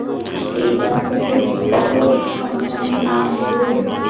এই দম্পতির পুত্র সন্তানের নাম রূম।